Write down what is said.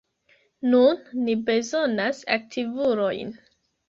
Nun, ni bezonas aktivulojn!